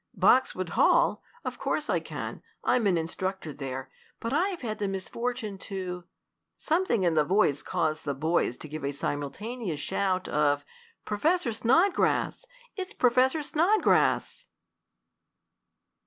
"Boxwood Hall! Of course I can. I am an instructor there, but I have had the misfortune to " Something in the voice caused the boys to give a simultaneous shout of: "Professor Snodgrass! It's Professor Snodgrass!"